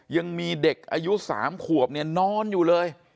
ยังมีเด็กอายุ๓ขวบเนี่ยนอนอยู่เลย